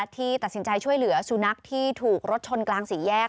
ที่ตัดสินใจช่วยเหลือสุนัขที่ถูกรถชนกลางสี่แยก